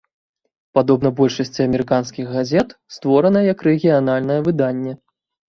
Падобна большасці амерыканскіх газет, створана як рэгіянальнае выданне.